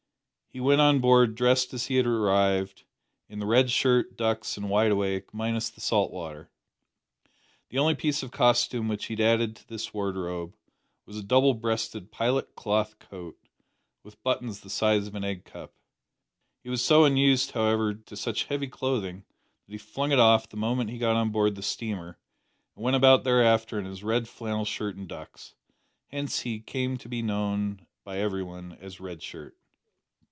He went on board dressed as he had arrived, in the red shirt, ducks, and wide awake minus the salt water. The only piece of costume which he had added to his wardrobe was a huge double breasted pilot cloth coat, with buttons the size of an egg cup. He was so unused, however, to such heavy clothing that he flung it off the moment he got on board the steamer, and went about thereafter in his red flannel shirt and ducks. Hence he came to be known by every one as Red Shirt.